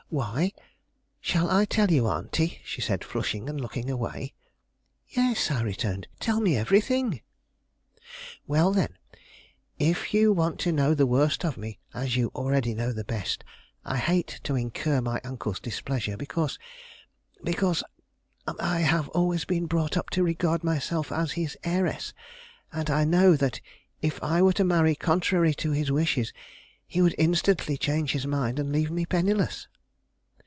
"Why? Shall I tell you, auntie?" she said, flushing and looking away. "Yes," I returned; "tell me everything." "Well, then, if you want to know the worst of me, as you already know the best, I hate to incur my uncle's displeasure, because because I have always been brought up to regard myself as his heiress, and I know that if I were to marry contrary to his wishes, he would instantly change his mind, and leave me penniless."